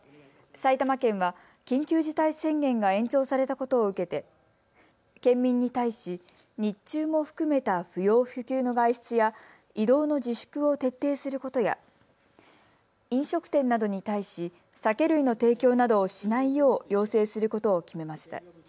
埼玉県は緊急事態宣言が延長されたことを受けて県民に対し日中も含めた不要不急の外出や移動の自粛を徹底することや飲食店などに対し酒類の提供などをしないよう要請することを決めました。